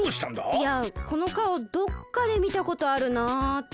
いやこのかおどっかでみたことあるなって。